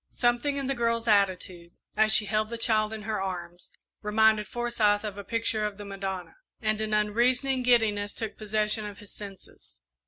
Something in the girl's attitude, as she held the child in her arms, reminded Forsyth of a picture of the Madonna, and an unreasoning giddiness took possession of his senses.